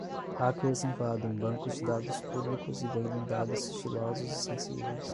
Hackers invadem bancos de dados públicos e vendem dados sigilosos e sensíveis